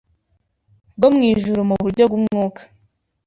bwo mu ijuru mu buryo bw’umwuka”